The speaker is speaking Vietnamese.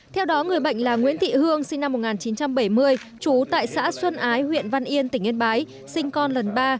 theo đó người bệnh là nguyễn thị hương sinh năm một nghìn chín trăm bảy mươi chú tại xã xuân ái huyện văn yên tỉnh yên bái sinh con lần ba